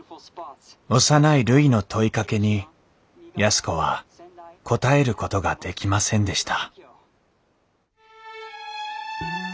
幼いるいの問いかけに安子は答えることができませんでした